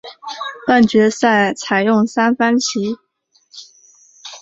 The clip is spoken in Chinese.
半决赛采用三番棋。